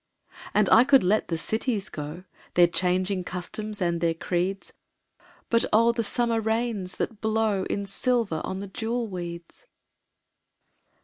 And I could let the cities go, Their changing customs and their creeds, But oh, the summer rains that blow In silver on the jewel weeds!